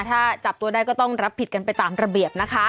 ถ้าจับตัวได้ก็ต้องรับผิดกันไปตามระเบียบนะคะ